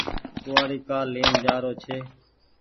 ڪوُوآڙي ڪآ لين جآرو ڇي۔